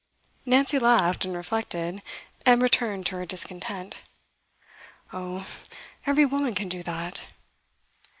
Nancy laughed, and reflected, and returned to her discontent. 'Oh, every woman can do that.